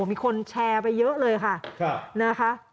มีคนแชร์ไปเยอะเลยค่ะนะคะ